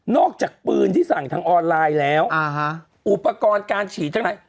อกจากปืนที่สั่งทางออนไลน์แล้วอุปกรณ์การฉีดทั้งหลาย